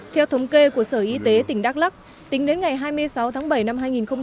theo thống kê của sở y tế tỉnh đắk lắc tính đến ngày hai mươi sáu tháng bảy năm hai nghìn một mươi chín